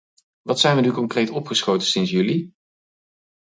Wat zijn we nu concreet opgeschoten sinds juli?